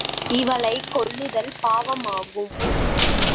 இவளைக் கொல்லுதல் பாவமாகும்.